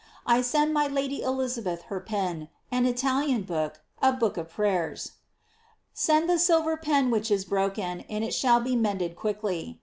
I send my Lady (Elizabeth) her pen, an Italian book, a book of prayers. Send the silver pen which is broken, and it shall be mended quickly.